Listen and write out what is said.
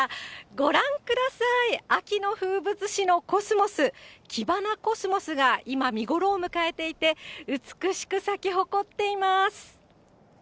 ご覧ください、秋の風物詩のコスモス、キバナコスモスが今、見頃を迎えていて、美しく咲き誇っています。